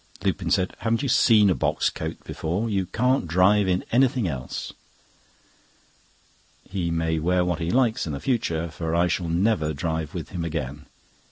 Lupin said: "Haven't you seen a box coat before? You can't drive in anything else." He may wear what he likes in the future, for I shall never drive with him again.